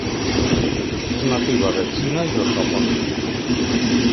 Es nativa de China y el Japón.